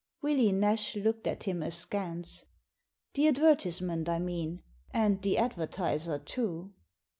Willie Nash looked at him askance. '' The advertisement, I mean — and the advertiser too."